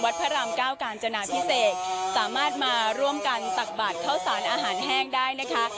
พระรามเก้ากาญจนาพิเศษสามารถมาร่วมกันตักบาดเข้าสารอาหารแห้งได้นะคะ